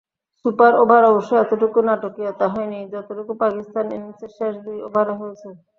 Super ওভারে অবশ্য অতটুকু নাটকীয়তা হয়নি, যতটুকু পাকিস্তান ইনিংসের শেষ দুই ওভারে হয়েছে।